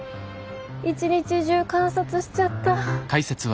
一日中観察しちゃった。